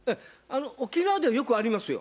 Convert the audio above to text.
沖縄ではよくありますよ。